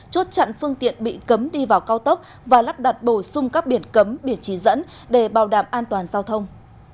chốt chặn phương tiện bị cấm đi vào cao tốc và lắp đặt bổ sung các biển cấm biển chỉ dẫn để bảo đảm an toàn giao thông